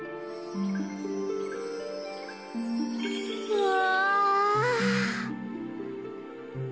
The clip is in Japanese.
うわ。